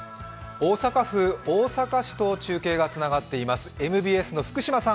大阪府大阪市と中継がつながっています、ＭＢＳの福島さん。